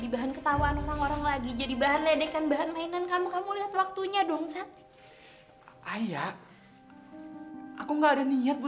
bukan aku mau ke rumah sama kamu